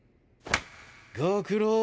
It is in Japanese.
ご苦労！